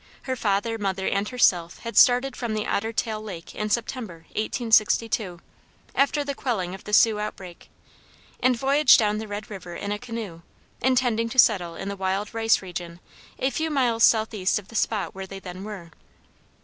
Her father, mother, and herself had started from Otter Tail lake in September, 1862, after the quelling of the Sioux outbreak, and voyaged down the Red river in a canoe, intending to settle in the wild rice region a few miles southeast of the spot where they then were.